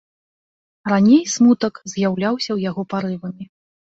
Раней смутак з'яўляўся ў яго парывамі.